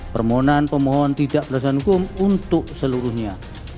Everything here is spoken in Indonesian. permohonan pemohon tidak berdasarkan hukum untuk seluruhnya